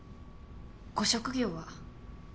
ご職業は？